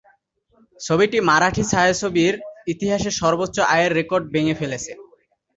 ছবিটি মারাঠি ছায়াছবির ইতিহাসে সর্বোচ্চ আয়ের রেকর্ড ভেঙে ফেলেছে।